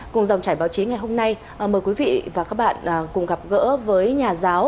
cùng dòng trải báo chí ngày hôm nay mời quý vị và các bạn cùng gặp gỡ với nhà giáo